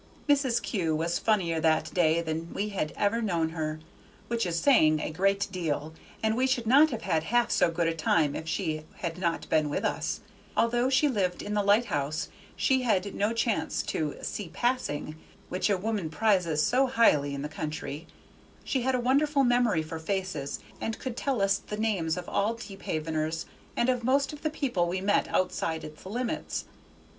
Mrs. Kew was funnier that day than we had ever known her, which is saying a great deal, and we should not have had half so good a time if she had not been with us; although she lived in the lighthouse, and had no chance to "see passing," which a woman prizes so highly in the country, she had a wonderful memory for faces, and could tell us the names of all Deephaveners and of most of the people we met outside its limits.